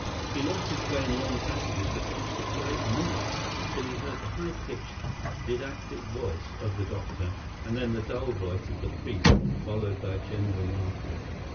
He lost his way in long passages for some six or eight minutes: till he heard the high pitched, didactic voice of the doctor, and then the dull voice of the priest, followed by general laughter.